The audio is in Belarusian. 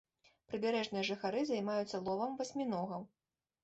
Прыбярэжныя жыхары займаюцца ловам васьміногаў.